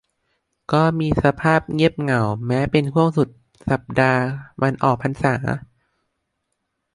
ก็มีสภาพเงียบเหงาแม้เป็นช่วงสุดสัปดาห์วันออกพรรษา